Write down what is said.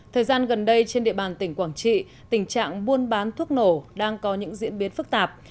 thời gian gần đây trên địa bàn tỉnh quảng trị tình trạng buôn bán thuốc nổ đang có những diễn biến phức tạp